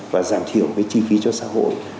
và giảm thiểu cái chi phí cho xã hội